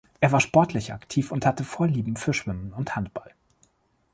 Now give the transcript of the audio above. Er war sportlich aktiv und hatte Vorlieben für Schwimmen und Handball.